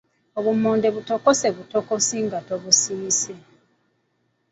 Obummonde butokose butokosi nga tobusiise.